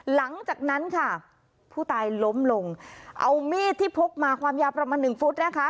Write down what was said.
หลังจากนั้นค่ะผู้ตายล้มลงเอามีดที่พกมาความยาวประมาณหนึ่งฟุตนะคะ